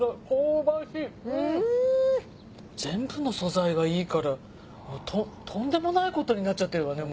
全部の素材がいいからもうとんでもないことになっちゃってるわね。